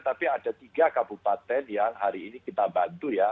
tapi ada tiga kabupaten yang hari ini kita bantu ya